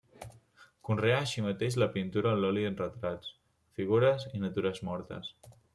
Conreà així mateix la pintura a l'oli en retrats, figures i natures mortes.